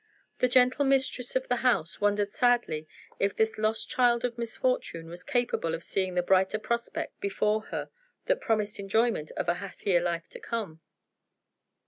The gentle mistress of the house wondered sadly if this lost child of misfortune was capable of seeing the brighter prospect before her that promised enjoyment of a happier life to come.